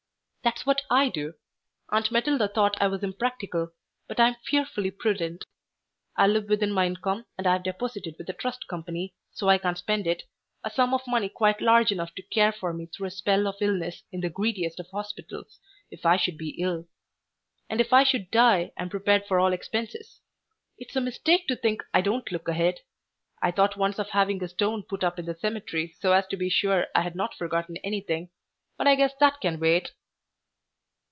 That's what I do. Aunt Matilda thought I was impractical, but I'm fearfully prudent. I live within my income and I've deposited with a trust company, so I can't spend it, a sum of money quite large enough to care for me through a spell of illness in the greediest of hospitals, if I should be ill. And if I should die I'm prepared for all expenses. It's a mistake to think I don't look ahead. I thought once of having a stone put up in the cemetery so as to be sure I had not forgotten anything, but I guess that can wait."